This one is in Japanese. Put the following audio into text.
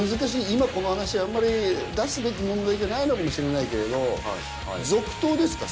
今この話あんまり出すべき問題じゃないのかもしれないけれど続投ですか？